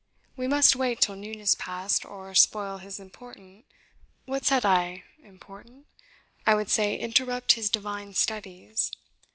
We must wait till noon is past, or spoil his important what said I? important! I would say interrupt his divine studies."